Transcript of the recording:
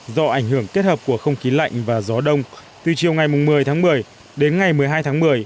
do ảnh hưởng kết hợp của không khí lạnh và gió đông từ chiều ngày một mươi tháng một mươi đến ngày một mươi hai tháng một mươi